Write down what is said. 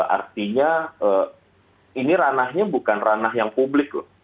artinya ini ranahnya bukan ranah yang publik loh